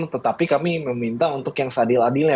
tetapi kami meminta untuk yang seadil adilnya